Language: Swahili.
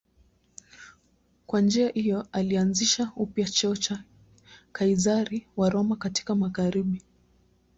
Kwa njia hiyo alianzisha upya cheo cha Kaizari wa Roma katika magharibi.